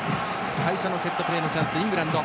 最初のセットプレーのチャンス、イングランド。